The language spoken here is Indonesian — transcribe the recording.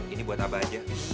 ini buat abah aja